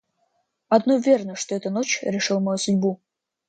Одно верно, что эта ночь решила мою судьбу.